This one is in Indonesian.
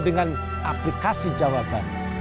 dengan aplikasi jawaban